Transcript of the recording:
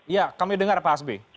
ya kami dengar pak hasbe